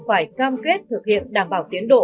phải cam kết thực hiện đảm bảo tiến độ